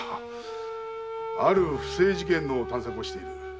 ある不正事件の探索をしている。